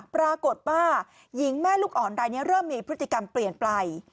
ปรากฏว่าหญิงแม่ลูกอ่อนรายนี้เริ่มมีพฤติกรรมเปลี่ยนไป